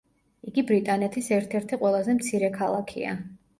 იგი ბრიტანეთის ერთ-ერთი ყველაზე მცირე ქალაქია.